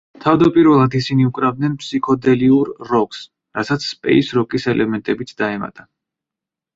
თავდაპირველად ისინი უკრავდნენ ფსიქოდელიურ როკს, რასაც სპეის როკის ელემენტებიც დაემატა.